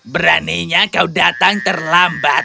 beraninya kau datang terlambat